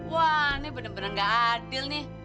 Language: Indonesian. wah ini bener bener gak adil nih